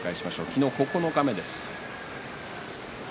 昨日、九日目です。